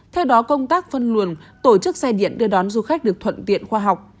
theo đó công tác phân luồng tổ chức xe điện đưa đón du khách được thuận tiện khoa học